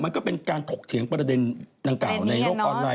มันก็เป็นการถกเถียงประเด็นดังกล่าวในโลกออนไลน